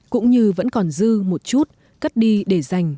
cũng như vẫn còn dư một chút cắt đi để dành